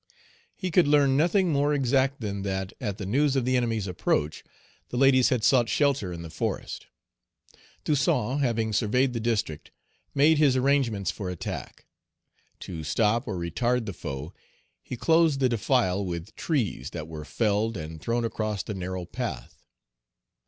He could learn nothing more exact than that, at the news of the enemy's approach, the ladies had sought shelter in the forest. Toussaint, having surveyed the district, made his arrangements for attack. To stop or retard the foe, he closed the defile with trees that were felled and thrown across the narrow path.